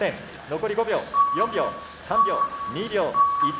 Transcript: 残り５秒４秒３秒２秒１秒。